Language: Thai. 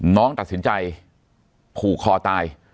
น้องตัดสินใจผูกคอตาย